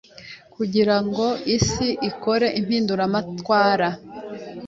Kugirango Isi ikore impinduramatwara